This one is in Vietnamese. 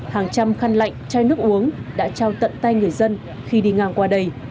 hàng trăm khăn lạnh chai nước uống đã trao tận tay người dân khi đi ngang qua đây